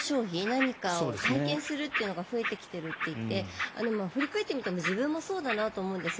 何かを体験するというのが増えてきているといって振り返ってみても自分もそうだなと思うんです。